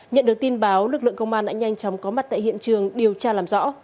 nhận được tin báo lực lượng công an đã nhanh chóng có mặt tại hiện trường điều tra làm rõ